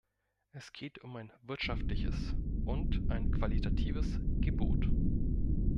Es geht um ein wirtschaftliches und ein qualitatives Gebot.